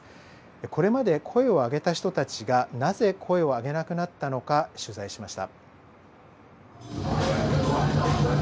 これまで声を上げた人たちがなぜ声を上げなくなったのか取材しました。